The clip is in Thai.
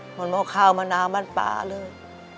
เหมือนเอาข้าวมาน้ำบ้านปลาเลย